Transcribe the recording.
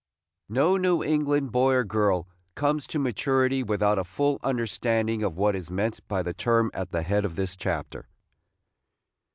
NO New England boy or girl comes to maturity without a full understanding of what is meant by the term at the head of this chapter.